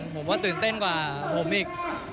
ผมก็ตื่นเต้นกว่าผมอีก